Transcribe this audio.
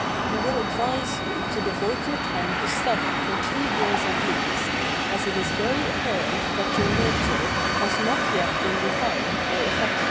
We would advise you to devote your time to study for two years at least, as it is very apparent that your nature has not yet been refined by affection.